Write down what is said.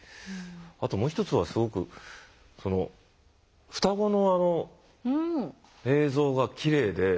あともう一つはすごくその双子のあの映像がきれいで。